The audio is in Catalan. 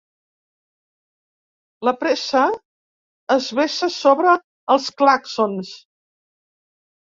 La pressa es vessa sobre els clàxons.